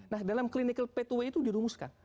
nah dalam clinical pathway itu dirumuskan